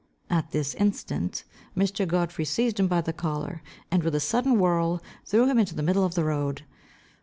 At this instant, Mr. Godfrey seized him by the collar, and with a sudden whirl, threw him into the middle of the road.